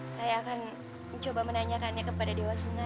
saya akan mencoba menanyakannya kepada dewa sungai